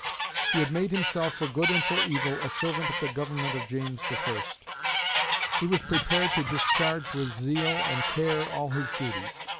He had made himself, for good and for evil, a servant of the Government of James I. He was prepared to discharge with zeal and care all his duties.